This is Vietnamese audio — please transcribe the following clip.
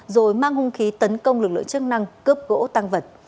đối với mang hung khí tấn công lực lượng chức năng cướp gỗ tăng vật